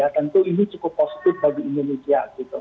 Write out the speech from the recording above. tentu ini cukup positif bagi indonesia